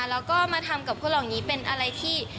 แล้วก็มาทำกับคนเหล่านี้เป็นอะไรที่